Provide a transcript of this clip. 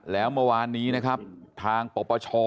แล้วเมื่อวานนี้ทางปปช